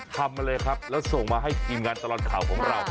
มาเลยครับแล้วส่งมาให้ทีมงานตลอดข่าวของเรา